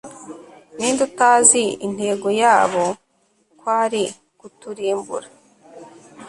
ninde utazi intego yabo ko ari kuturimbura